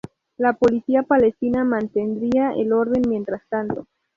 La policía palestina mantendría el orden mientras tanto.